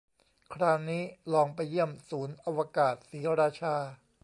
คราวนี้ลองไปเยี่ยมศูนย์อวกาศศรีราชา